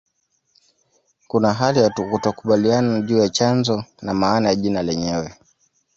Kuna hali ya kutokukubaliana juu ya chanzo na maana ya jina lenyewe